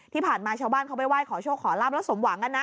ที่ผ่านมาชาวบ้านเข้าไปไหว้ขอโชคขอลาบแล้วสมหวังกันนะ